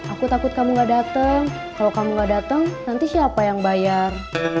aku takut kamu gak datang kalau kamu gak datang nanti siapa yang bayar